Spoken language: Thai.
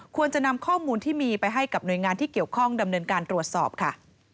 ควรจะนำข้อมูลที่มีไปให้กับหน่วยงานที่เกี่ยวข้องดำเนินการตรวจสอบค่ะ